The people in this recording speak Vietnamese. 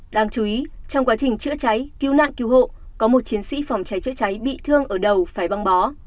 đáng chú ý trong quá trình chữa cháy cứu nạn cứu hộ có một chiến sĩ phòng cháy chữa cháy bị thương ở đầu phải băng bó